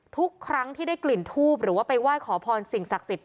ทุกครั้งที่ได้กลิ่นทูบหรือว่าไปไหว้ขอพรสิ่งศักดิ์สิทธิ